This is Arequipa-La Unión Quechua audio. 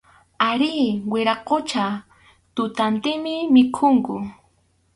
Arí, wiraqucha, tutantinmi mikhunku.